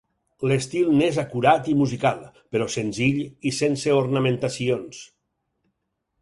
L'estil n'és acurat i musical, però senzill i sense ornamentacions.